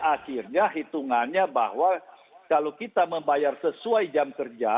akhirnya hitungannya bahwa kalau kita membayar sesuai jam kerja